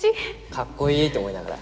かっこいいと思いながら。